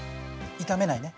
炒めないね。